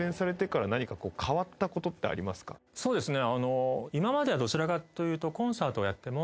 そうですね。